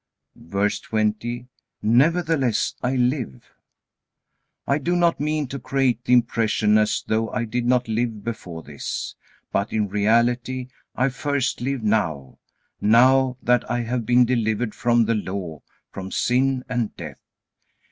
VERSE 20. Nevertheless I live. "I do not mean to create the impression as though I did not live before this. But in reality I first live now, now that I have been delivered from the Law, from sin, and death.